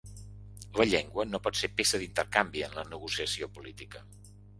La llengua no pot ser peça d’intercanvi en la negociació política.